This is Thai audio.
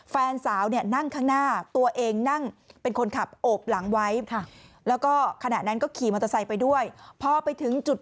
แฟนสาวเนี่ยนั่งข้างหน้าตัวเองนั่งเป็นคนขับโอบหลังไว้